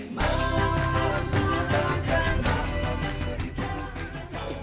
malam malam ku bagai malam